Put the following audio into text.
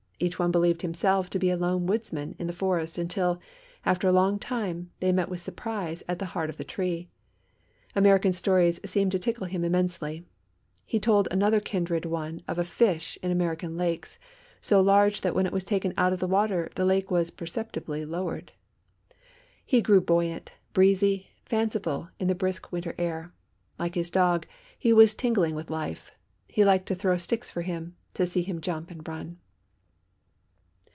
Each one believed himself to be a lone woodsman in the forest until, after a long time, they met with surprise at the heart of the tree. American stories seemed to tickle him immensely. He told another kindred one of a fish in American lakes, so large that when it was taken out of the water the lake was perceptibly lowered. He grew buoyant, breezy, fanciful in the brisk winter air. Like his dog, he was tingling with life. He liked to throw sticks for him, to see him jump and run.